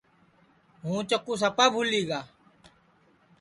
ہُوں چکُو سپا بھولی گا